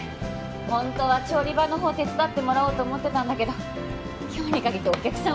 ホントは調理場の方手伝ってもらおうと思ってたんだけど今日に限ってお客さん